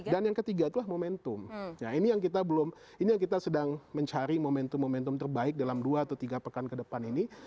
dan yang ketiga itulah momentum ini yang kita belum ini yang kita sedang mencari momentum momentum terbaik dalam dua atau tiga pekan ke depan ini